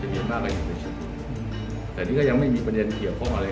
เยอะมากก็อยู่ในชุดแต่นี่ก็ยังไม่มีประเด็นเกี่ยวข้องอะไร